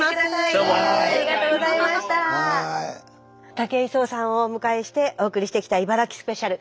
武井壮さんをお迎えしてお送りしてきた茨城スペシャル。